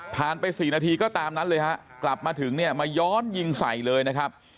ไป๔นาทีก็ตามนั้นเลยฮะกลับมาถึงเนี่ยมาย้อนยิงใส่เลยนะครับ